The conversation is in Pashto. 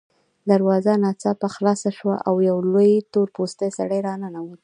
دروازه ناڅاپه خلاصه شوه او یو لوی تور پوستکی سړی راننوت